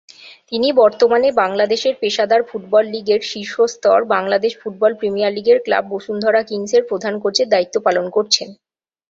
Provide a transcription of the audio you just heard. তিনি বর্তমানে বাংলাদেশের পেশাদার ফুটবল লীগের শীর্ষ স্তর বাংলাদেশ ফুটবল প্রিমিয়ার লীগের ক্লাব বসুন্ধরা কিংসের প্রধান কোচের দায়িত্ব পালন করছেন।